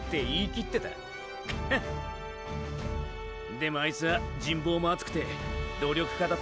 でもあいつは人望も厚くて努力家だった。